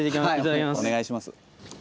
はいお願いします。